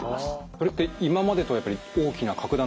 それって今までとはやっぱり大きな格段の進歩。